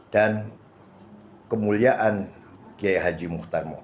dan di kemuliaan ki haji mukhtar mukti